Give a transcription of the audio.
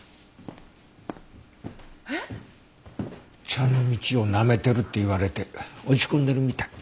茶の道をなめてるって言われて落ち込んでるみたい。